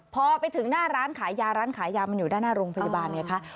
พอไปถึงหน้าร้านขายยาร้านขายยามันอยู่ด้านหน้าโรงพยาบาลไงคะ